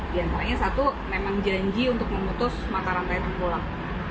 di antaranya satu memang janji untuk memutus mata rantai terpulang